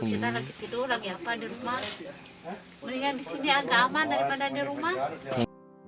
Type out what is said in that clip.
mendingan di sini agak aman daripada di rumah